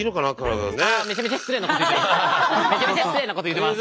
めちゃめちゃ失礼なこと言ってます。